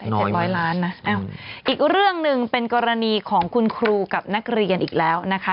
เจ็ดร้อยล้านนะอ้าวอีกเรื่องหนึ่งเป็นกรณีของคุณครูกับนักเรียนอีกแล้วนะคะ